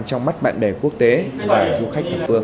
trong mắt mạng đề quốc tế và du khách thật phương